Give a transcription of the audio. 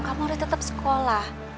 kamu harus tetap sekolah